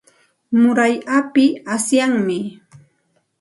Muray api asyami.